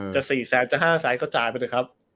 เดี๋ยวแล้วจะ๔แสนจะ๕แสนก็จ่ายไปเลยครับ